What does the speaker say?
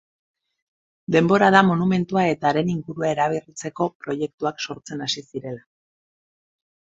Denbora da monumentua eta haren ingurua eraberritzeko proiektuak sortzen hasi zirela.